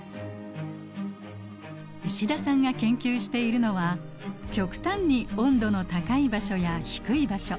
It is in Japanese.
石田さんが研究しているのは極端に温度の高い場所や低い場所